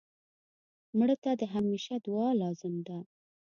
مړه ته د همېشه دعا لازم ده